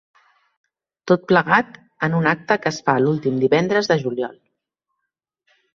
Tot plegat, en un acte que es fa l'últim divendres de juliol.